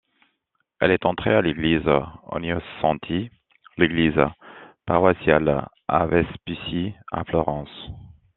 Elle est enterrée à l'église Ognissanti, l'église paroissiale des Vespucci, à Florence.